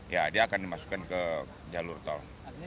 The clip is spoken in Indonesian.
ya dia akan dimasukkan ke jalur tol